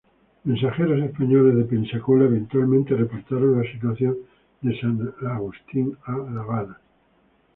Mensajeros españoles de Pensacola eventualmente reportaron la situación de San Agustín a La Habana.